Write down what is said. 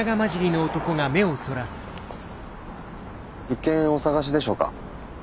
物件お探しでしょうか？